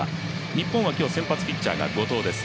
日本は今日先発ピッチャーが後藤です。